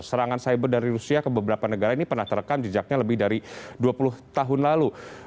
serangan cyber dari rusia ke beberapa negara ini pernah terekam jejaknya lebih dari dua puluh tahun lalu